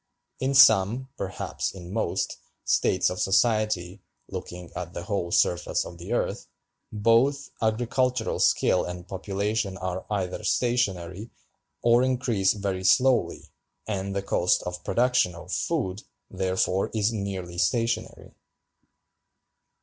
In some, perhaps in most, states of society (looking at the whole surface of the earth), both agricultural skill and population are either stationary, or increase very slowly, and the cost of production of food, therefore, is nearly stationary.